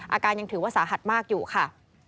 อาการยังถือว่าสาหัสมากอยู่ค่ะ